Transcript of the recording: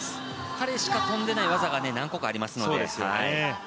彼しか飛んでいない技が何個かあります。